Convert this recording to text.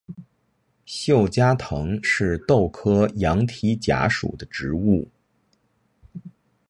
锈荚藤是豆科羊蹄甲属的植物。